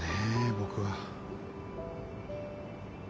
僕は。